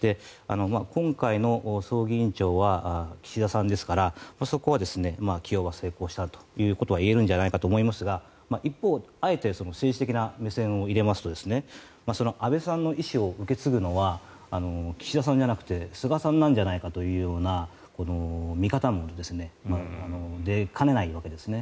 今回の葬儀委員長は岸田さんですからそこは起用は成功したということは言えるんじゃないかと思いますが一方あえて政治的な目線を入れますと安倍さんの遺志を受け継ぐのは岸田さんじゃなくて菅さんなんじゃないかというような見方も出かねないわけですね。